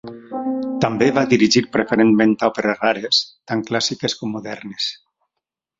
També va dirigir preferentment òperes rares, tant clàssiques com modernes.